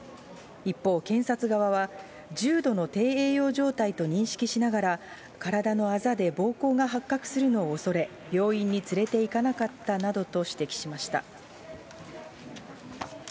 一方、検察側は、重度の低栄養状態と認識しながら、体のあざで暴行が発覚するのを恐れ、病院に連れていかなかったなどと指摘しました。